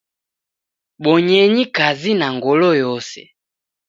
Bonyenyi kazi na ngolo yose.